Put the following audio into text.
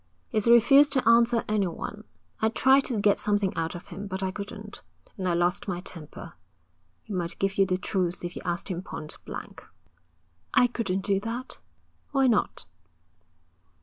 'He's refused to answer anyone. I tried to get something out of him, but I couldn't, and I lost my temper. He might give you the truth if you asked him pointblank.' 'I couldn't do that.' 'Why not?'